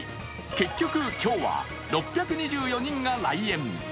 結局今日は６２４人が来園。